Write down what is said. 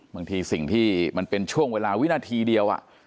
บางทีสิ่งที่มันเป็นช่วงเวลาวินาทีเดียว